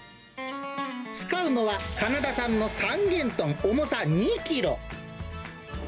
使うのは、カナダ産の三元豚、重さ２キロ。